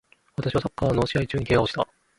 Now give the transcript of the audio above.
私はサッカーの試合中に怪我をした